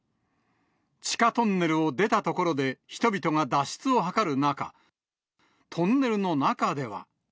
地下トンネルを出たところで、人々が脱出を図る中、トンネルの中では。